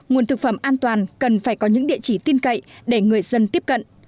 nguồn thực phẩm an toàn cần phải có những địa chỉ tin cậy để người dân tiếp cận